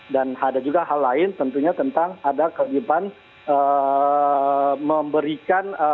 dan ada juga hal lain tentunya tentang ada kejepan